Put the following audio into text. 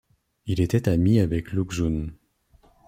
Il était ami avec Lu Xun.